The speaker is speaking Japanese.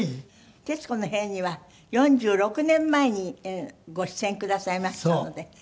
『徹子の部屋』には４６年前にご出演くださいましたので。